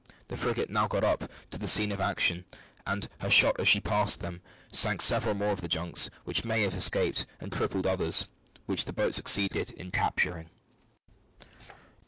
The frigate now got up to the scene of action, and her shot as she passed them sank several more of the junks which might have escaped, and crippled others, which the boats succeeded in capturing.